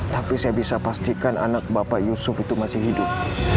tapi saya bisa pastikan anak bapak yusuf itu masih hidup